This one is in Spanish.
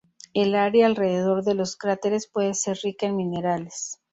El área alrededor de los cráteres puede ser rica en minerales.